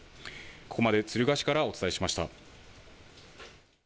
ここまで敦賀市からお伝えしました。